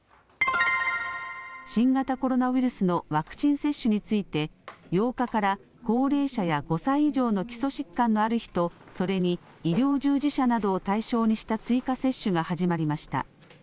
新型コロナウイルスのワクチン接種について８日から高齢者や５歳以上の基礎疾患のある人、それに医療従事者などを対象にした追加接種が始まりました。